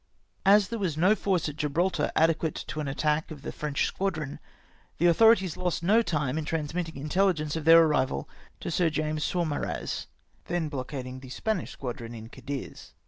As there was no force at Gibraltar adequate to an attack of the French squadron, the authorities lost no time m transmitting mteUigence of their arrival to Sir James Saumarez, then blockading the Spanish squadron in Cadiz.